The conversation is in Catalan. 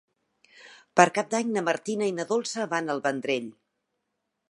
Per Cap d'Any na Martina i na Dolça van al Vendrell.